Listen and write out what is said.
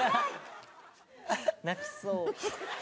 「泣きそう」